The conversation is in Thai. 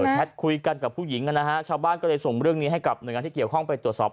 แชทคุยกันกับผู้หญิงนะฮะชาวบ้านก็เลยส่งเรื่องนี้ให้กับหน่วยงานที่เกี่ยวข้องไปตรวจสอบ